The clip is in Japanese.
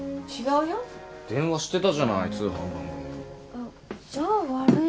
あじゃあ悪いよ。